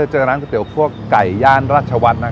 ก็จะเจอร้านก๋วยเตี๋ยวพวกไก่ย่านราชวัตน์